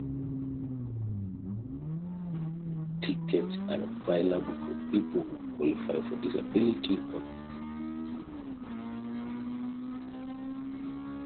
Discount tickets are available for people who qualify for disability or senior discounts.